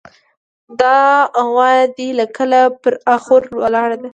دا غوا دې له کله پر اخور ولاړه ده.